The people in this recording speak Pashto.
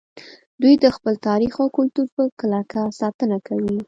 دوی د خپل تاریخ او کلتور په کلکه ساتنه کوي